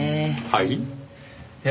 はい？